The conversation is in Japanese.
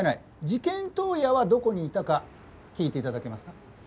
事件当夜はどこにいたか聞いて頂けますか？